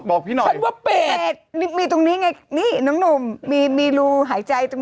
พี่หน่อยฉันว่าเป็ดนี่มีตรงนี้ไงนี่น้องหนุ่มมีมีรูหายใจตรง